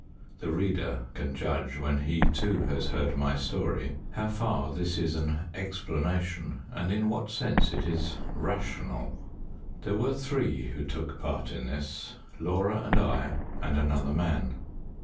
The reader can judge, when he, too, has heard my story, how far this is an "explanation," and in what sense it is "rational." There were three who took part in this: Laura and I and another man.